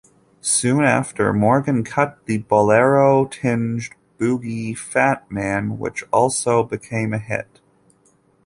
Soon after, Morgan cut the bolero-tinged boogie "Fat Man", which also became a hit.